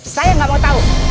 saya gak mau tau